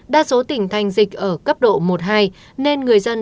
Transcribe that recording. đa số tỉnh thành dịch ở cấp độ một hai nên người dân